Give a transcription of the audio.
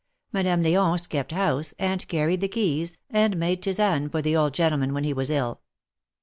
Madame L^once kept house, and carried the keys, and made tisane for the old gentleman when he was ill.